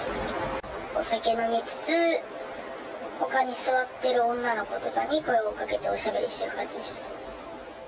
お酒飲みつつ、ほかに座ってる女の子とかに声をかけておしゃべりしてる感じでした。